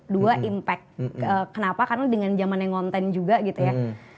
dua impact kenapa karena dengan zaman yang ngonten juga gitu ya